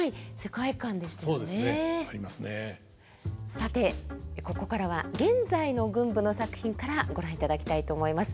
さてここからは現在の群舞の作品からご覧いただきたいと思います。